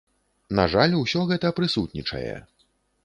На жаль, усё гэта прысутнічае.